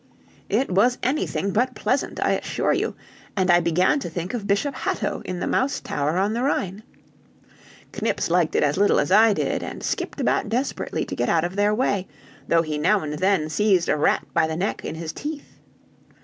"It was anything but pleasant, I assure you, and I began to think of Bishop Hatto in the Mouse Tower on the Rhine. Knips liked it as little as I did, and skipped about desperately to get out of their way, though he now and then seized a rat by the neck in his teeth.